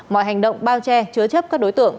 mọi hành động bao che chứa chấp các đối tượng